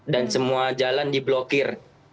dan semua jalan di belakangnya